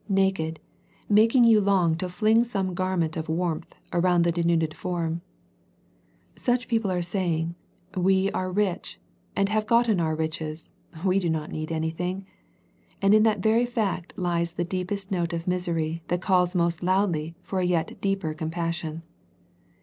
" Naked," making you long to fling some gar ment of warmth around the denuded form. Such people are saying. We are rich, and have gotten our riches, we do not need anything, and in that very fact lies the deepest note of misery that calls most loudly for a yet deeper compassion.